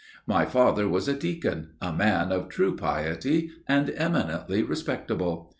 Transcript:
My father was a deacon, a man of true piety and eminently respectable.